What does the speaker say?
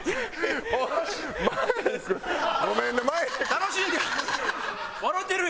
楽しんでる。